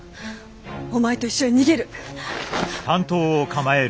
お前と一緒に逃げる！